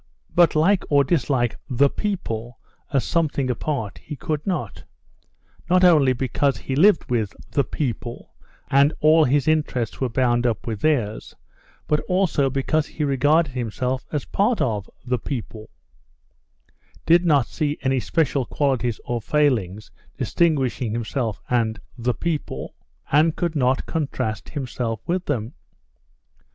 But like or dislike "the people" as something apart he could not, not only because he lived with "the people," and all his interests were bound up with theirs, but also because he regarded himself as a part of "the people," did not see any special qualities or failings distinguishing himself and "the people," and could not contrast himself with them.